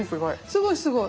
すごいすごい。